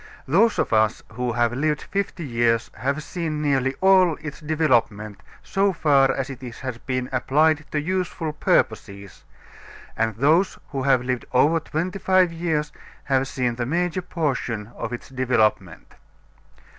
Those of us who have lived fifty years have seen nearly all its development so far as it has been applied to useful purposes, and those who have lived over twenty five years have seen the major portion of its development.